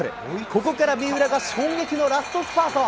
ここから三浦が衝撃のラストスパート。